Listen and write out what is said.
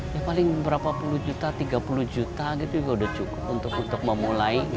ya paling berapa puluh juta tiga puluh juta gitu juga udah cukup untuk memulai